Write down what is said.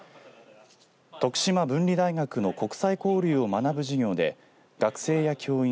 徳島文理大学の国際交流を学ぶ授業で学生や教員